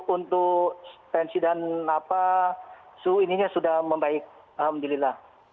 untuk tensi dan suhu ininya sudah membaik alhamdulillah